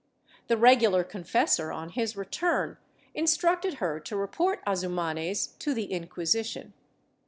The regular confessor, on his return, instructed her to report Azumanes to the Inquisition.